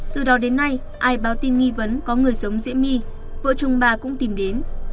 từ đó đến nay ai báo tin nghi vấn có người sống diễm my vợ chồng bà cũng tìm đến